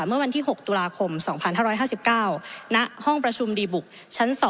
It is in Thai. เมื่อวันที่๖ตุลาคม๒๕๕๙ณห้องประชุมดีบุกชั้น๒